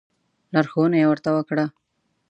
لارښوونه یې ورته وکړه.